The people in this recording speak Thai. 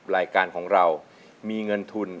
รายการของเรามีเงินทุน